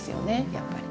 やっぱり。